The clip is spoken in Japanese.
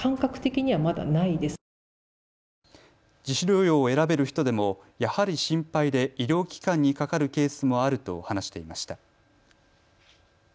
自主療養を選べる人でもやはり心配で医療機関にかかるケースもあると話していました。